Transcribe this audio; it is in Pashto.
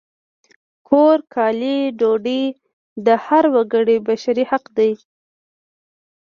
کور، کالي، ډوډۍ د هر وګړي بشري حق دی!